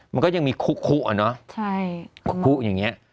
มันก็ยังมีคุอ่ะเนอะคุอย่างนี้